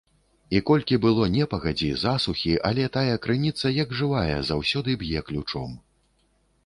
І колькі было непагадзі, засухі, але тая крыніца, як жывая, заўсёды б'е ключом.